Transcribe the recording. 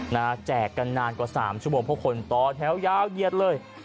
แจกกันนานกว่าสามชั่วโมงเพราะคนต่อแถวยาวเหยียดเลย